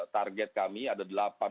target kami ada